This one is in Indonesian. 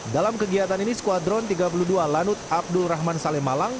dalam kegiatan ini skuadron tiga puluh dua lanut abdul rahman saleh malang